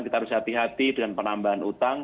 kita harus hati hati dengan penambahan utang